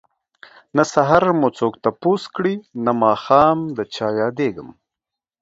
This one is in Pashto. نه سحر مو څوک تپوس کړي نه ماښام ده چه ياديږم